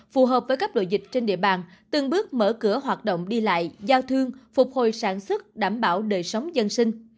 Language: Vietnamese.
phù hợp với các đội dịch trên địa bàn từng bước mở cửa hoạt động đi lại giao thương phục hồi sản xuất đảm bảo đời sống dân sinh